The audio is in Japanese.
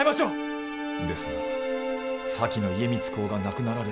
ですが先の家光公が亡くなられ。